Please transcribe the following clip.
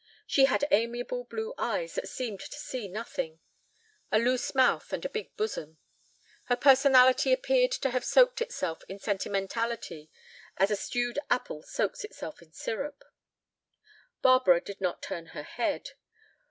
She had amiable blue eyes that seemed to see nothing, a loose mouth, and a big bosom. Her personality appeared to have soaked itself in sentimentality as a stewed apple soaks itself in syrup. Barbara did not turn her head.